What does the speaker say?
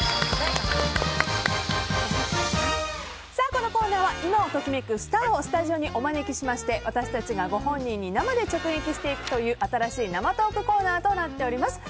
このコーナーは今を時めくスターをスタジオにお招きしまして私たちが、ご本人に生で直撃していくという新しい生トークコーナーとなっています。